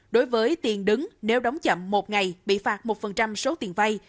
đối với tiền đứng nếu đóng chậm một ngày bị phạt một số tiền vay